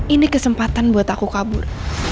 ini kesempatan buat aku kabur